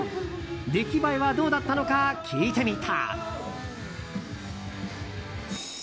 出来栄えはどうだったのか聞いてみた。